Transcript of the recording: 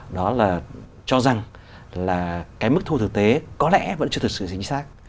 đó là cho rằng mức thu thực tế có lẽ vẫn chưa thực sự chính xác